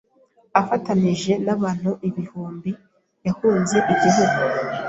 Afatanije n’abandi ibihumbi, yahunze igihugu.